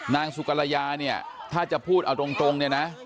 นางสุกรยาเนี่ยถ้าจะพูดเอาตรงเนี่ยนะ